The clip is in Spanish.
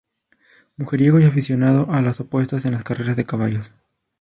Mujeriego y aficionado a las apuestas en las carreras de caballos.